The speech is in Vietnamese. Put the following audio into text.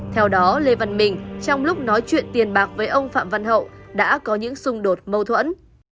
theo đó lê văn bình trong lúc nói chuyện tiền bạc với ông phạm văn hậu đã có những xung đột mâu thuẫn